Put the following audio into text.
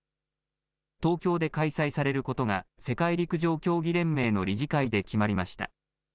東京で開催されることが世界陸上競技連盟の理事会で決まりました。